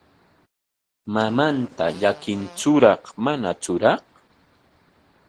¿Mamanta llakintsuraq manatsuraq?